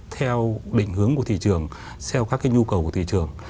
theo định hướng của thị trường theo các cái nhu cầu của thị trường